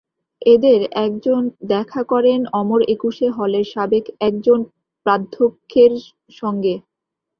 এঁদের একজন দেখা করেন অমর একুশে হলের সাবেক একজন প্রাধ্যক্ষের সঙ্গে।